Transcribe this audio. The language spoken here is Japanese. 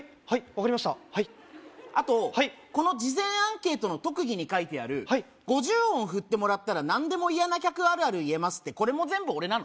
あとこの事前アンケートの特技に書いてある５０音ふってもらったら何でも嫌な客あるある言えますってこれも全部俺なの？